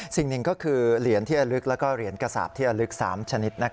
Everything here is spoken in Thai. สิ่งหนึ่งก็คือเหรียญที่ระลึกและเหรียญกระสาปที่ระลึก๓ชนิด